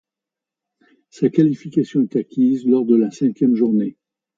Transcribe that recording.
Sa qualification est acquise lors de la cinquième journée.